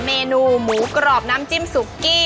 เมนูหมูกรอบน้ำจิ้มซุกกี้